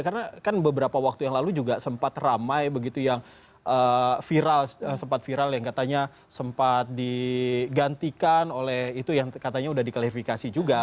karena kan beberapa waktu yang lalu juga sempat ramai begitu yang viral sempat viral yang katanya sempat digantikan oleh itu yang katanya udah diklarifikasi juga